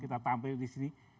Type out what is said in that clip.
kita tampil di sini